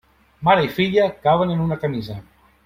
Mare i filla caben en una camisa.